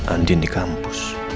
andin di kampus